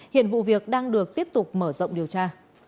hiện vụ việc đang được tiếp tục mở rộng điều tra